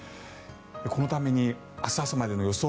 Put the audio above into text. このために明日朝までの予想